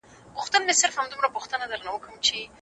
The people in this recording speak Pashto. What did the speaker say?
ګټه په صبر او حوصله کې نغښتې ده.